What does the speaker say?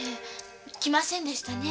来ませんでしたね。